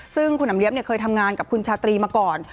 ซึ่งคุณอำเลี๊ยบเคยทำงานกับคุณชาตรีมาก่อน